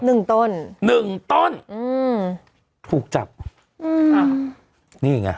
หนึ่งต้นหนึ่งต้นถูกจับอ่ะนี่ไง